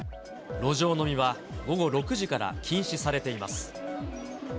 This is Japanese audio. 路上飲みは午後６時から禁止されています。